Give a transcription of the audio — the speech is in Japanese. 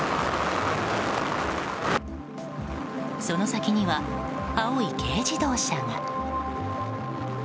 その先には、青い軽自動車が。